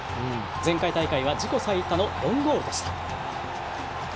前回大会は自己最多の４ゴールでした。